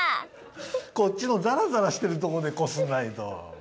こっちのザラザラしてるとこでこすんないと。